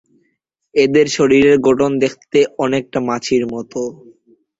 এদের শরীরের গঠন দেখতে অনেকটা মাছির মতো।